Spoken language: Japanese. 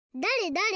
だれ？